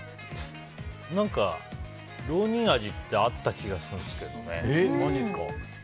何か、ロウニンアジってあったような気がするんですけど。